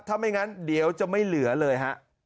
ถ้าไม่งั้นเดี๋ยวจะไม่เหลือเลยฮะ